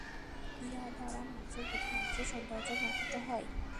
ইহা দ্বারা মানুষের প্রতি মানুষের সৌহার্দ্য নষ্ট হয়।